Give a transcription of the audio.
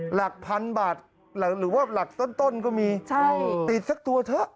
หลักพันบาทหรือว่าหลักต้นก็มีใช่ติดสักตัวเถอะ